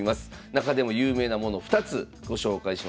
中でも有名なもの２つご紹介しましょう。